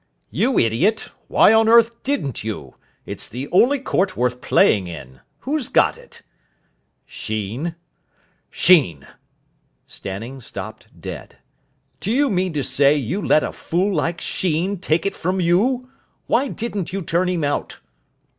"You idiot, why on earth didn't you? It's the only court worth playing in. Who's got it?" "Sheen." "Sheen!" Stanning stopped dead. "Do you mean to say you let a fool like Sheen take it from you! Why didn't you turn him out?"